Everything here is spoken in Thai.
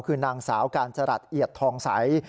คือนางสาวการจรัสเอียดทองใส